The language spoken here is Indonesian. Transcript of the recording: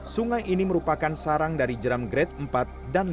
sungai ini merupakan sarang dari jeram grade empat dan lima